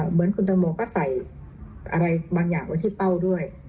เหมือนคุณตังโมก็ใส่อะไรบางอย่างไว้ที่เป้าด้วย